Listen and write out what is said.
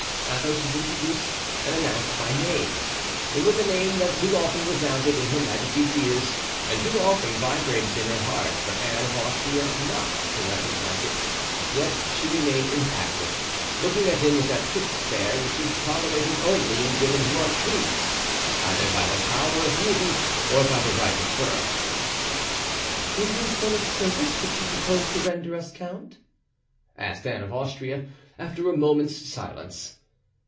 Athos was introduced and announced by name. It was a name that too often resounded in her majesty's ears and too often vibrated in her heart for Anne of Austria not to recognize it; yet she remained impassive, looking at him with that fixed stare which is tolerated only in women who are queens, either by the power of beauty or by the right of birth. "It is then a service which you propose to render us, count?" asked Anne of Austria, after a moment's silence.